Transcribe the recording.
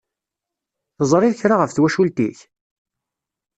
Teẓṛiḍ kra ɣef twacult-ik?